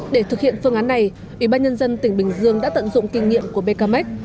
để thực hiện phương án này ủy ban nhân dân tỉnh bình dương đã tận dụng kinh nghiệm của bkmec